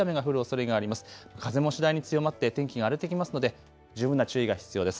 風も次第に強まって天気が荒れてきますので十分な注意が必要です。